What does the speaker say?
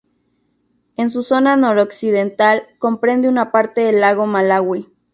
En su zona noroccidental comprende una parte del lago Malaui.